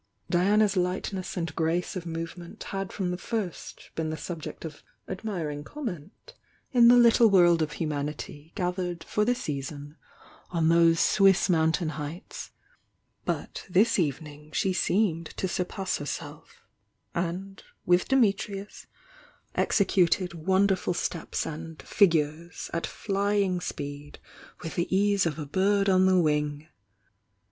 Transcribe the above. Diana's lightness and grace of movement had from the first been the subject of admiring comment in the little world of humanity, THE YOUNG DIANA 251 gathered for the season on those Swiss mountain heights, but this evening she seemed to surpass her self, «id, with Dunitrius, executed wonderful steps and figures" at flying speed with the ease of a bird on the wing.